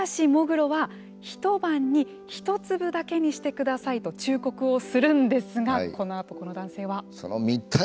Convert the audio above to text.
ただし、喪黒は一晩に一粒だけにしてくださいと忠告をするんですがこのあと、この男性は？